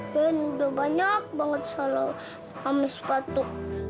rey udah banyak banget salah sama sepatu